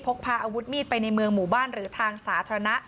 พกพาอาวุธมีดไปในเมืองหมู่บ้านหรือทางสาธารณะ